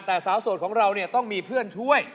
แต่สาวโสดของเราเนี่ยต้องมีเพื่อนช่วย